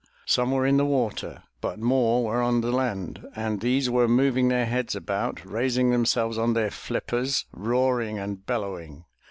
Some were in the water but more were on the land and these were moving their heads about, raising themselves on their flippers, roaring and bellowing.